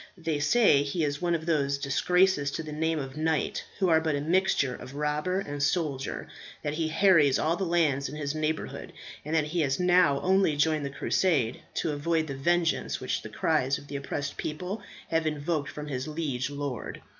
They say he is one of those disgraces to the name of knight who are but a mixture of robber and soldier; that he harries all the lands in his neighbourhood; and that he has now only joined the Crusade to avoid the vengeance which the cries of the oppressed people had invoked from his liege lord.